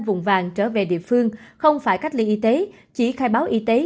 vùng vàng trở về địa phương không phải cách ly y tế chỉ khai báo y tế